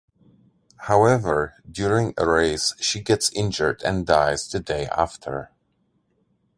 However, during a race, she gets injured and dies the day after.